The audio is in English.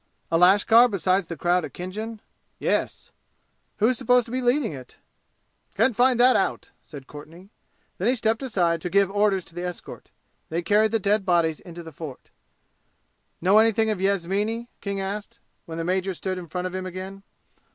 "A lashkar besides the crowd at Khinjan?" "Yes." "Who's supposed to be leading it?" "Can't find out," said Courtenay. Then he stepped aside to give orders to the escort. They carried the dead bodies into the fort. "Know anything of Yasmini?" King asked, when the major stood in front of him again.